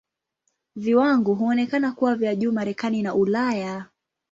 Viwango huonekana kuwa vya juu Marekani na Ulaya.